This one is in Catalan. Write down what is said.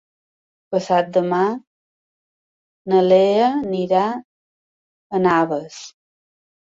Demà passat na Lea irà a Navès.